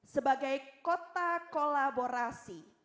sebagai kota kolaborasi